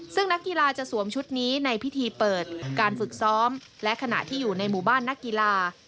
ซึ่งนักกีฬาจะสวมชุดนี้ในพิธีเปิดการฝึกซ้อมและขณะที่อยู่ในหมู่บ้านนักกีฬา